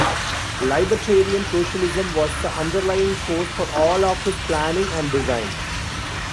Libertarian socialism was the underlying force for all of his planning and design.